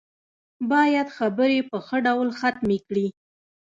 بايد خبرې په ښه ډول ختمې کړي.